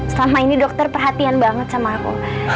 selama ini dokter perhatian banget sama aku